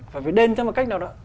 phải đền chứ mà cách nào đó